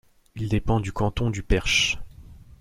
Il dépend du canton du Perche.